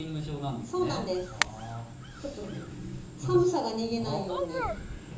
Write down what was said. ちょっと寒さが逃げないように。